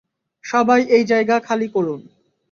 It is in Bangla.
সবাই এই জায়গা খালি করুন।